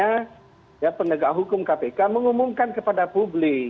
ya ya pendegar hukum kpk mengumumkan kepada publik